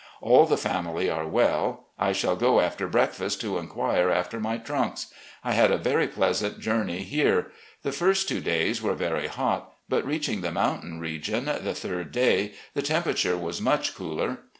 All the family are well. I shall go after breakfast to inquire after my tnmks. I had a very pleasant journey here. The first two days were very hot, but, reaching the mountain region the third day, the temperature was much cooler.